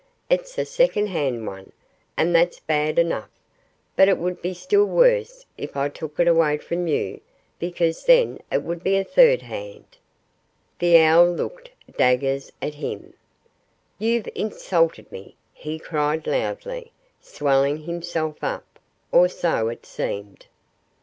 "It's a second hand one. And that's bad enough. But it would be still worse if I took it away from you, because then it would be third hand." The owl looked daggers at him. "You've insulted me!" he cried loudly, swelling himself up or so it seemed.